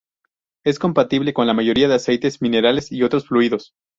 Es compatible con la mayoría de aceites minerales y otros fluidos.